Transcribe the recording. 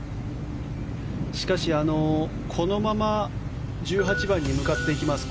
しかし、このまま１８番に向かっていきます。